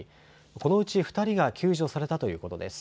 このうち２人が救助されたということです。